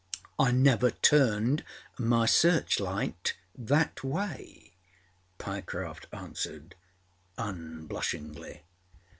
âI never turned my searchlight that way,â Pyecroft answered unblushingly.